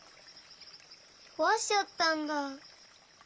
こわしちゃったんだ。